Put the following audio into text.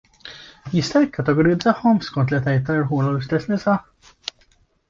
Jista' jikkategorizzahom skont l-etajiet u l-irħula tal-istess nisa?